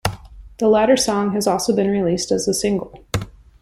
The latter song has also been released as a single.